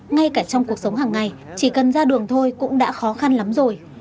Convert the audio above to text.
ngay cả trong cuộc sống hàng ngày chỉ cần ra đường thôi cũng đã khó khăn lắm rồi